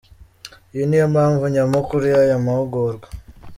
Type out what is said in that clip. Iyi niyo mpamvu nyamukuru y’aya mahugurwa.